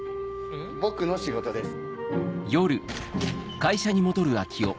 僕の仕事です。